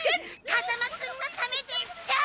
風間くんのためでしょ！